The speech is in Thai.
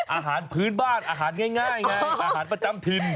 อาหารพื้นบ้านอาหารง่ายไงอาหารประจำถิ่น